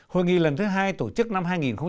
hội nghị lần thứ hai tổ chức năm hai nghìn hai mươi